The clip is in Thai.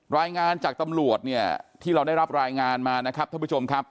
รายงานจากตำรวจเนี่ยที่เราได้รับรายงานมานะครับท่านผู้ชมครับ